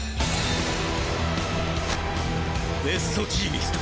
ベストジーニスト